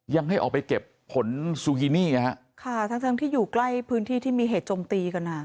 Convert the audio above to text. ยังให้ออกไปเก็บผลซูกินี่ทั้งที่อยู่ใกล้พื้นที่ที่มีเหตุจมตีกัน